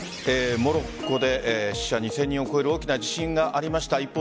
モロッコで死者２０００人を超える大きな地震がありました。